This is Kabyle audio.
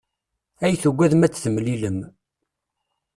Ay tugadem ad d-temlilem.